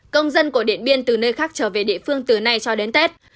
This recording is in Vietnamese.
công dân của điện biên từ nơi khác trở về địa phương từ nay cho đến tết